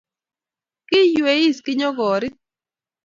Kiiyweisis kinyokorit